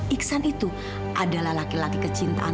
iksan itu adalah laki laki kecintaan